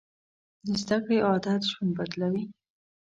د زده کړې عادت ژوند بدلوي.